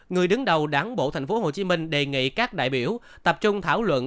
người đứng đầu đảng bộ thành phố hồ chí minh đề nghị các đại biểu tập trung thảo luận